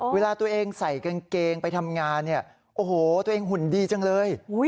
เวลาตัวเองใส่กางเกงไปทำงานเนี่ยโอ้โหตัวเองหุ่นดีจังเลย